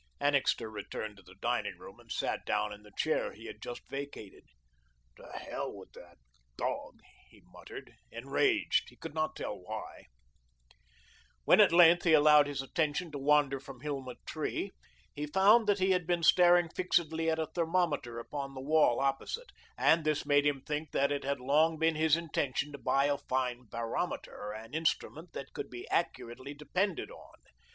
Annixter returned to the dining room and sat down in the chair he had just vacated. "To hell with the dog!" he muttered, enraged, he could not tell why. When at length he allowed his attention to wander from Hilma Tree, he found that he had been staring fixedly at a thermometer upon the wall opposite, and this made him think that it had long been his intention to buy a fine barometer, an instrument that could be accurately depended on.